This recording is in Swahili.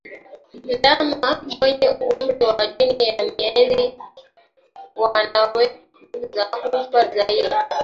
Ndama wenye umri wa chini ya miezi wanaweza kufa zaidi